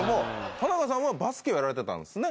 田中さんはバスケをやられてたんですね。